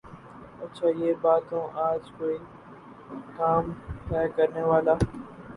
اچھا یہ بتاؤ کے آج کوئی کام ہے کرنے والا؟